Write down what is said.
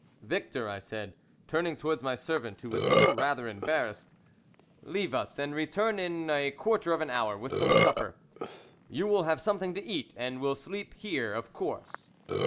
"Victor," I said, turning towards my servant, who was still rather embarrassed, "leave us, and return in a quarter of an hour with some supper. You will have something to eat, and will sleep here of course."